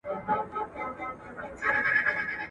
نور د تل لپاره ولاړ سي تش چرتونه در پاتیږي ,